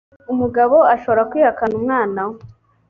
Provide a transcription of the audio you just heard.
umugabo ashobora kwihakana umwana we